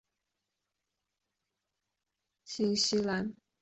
纽埃元是新西兰联系国纽埃的货币。